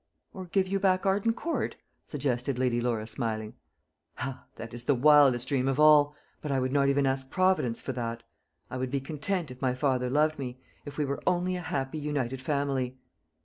"Or give you back Arden Court?" suggested Lady Laura, smiling. "Ah, that is the wildest dream of all! But I would not even ask Providence for that. I would be content, if my father loved me; if we were only a happy united family."